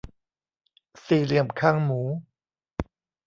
สี่เหลี่ยมคางหมู